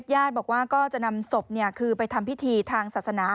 ญาติบอกว่าก็จะนำศพคือไปทำพิธีทางศาสนา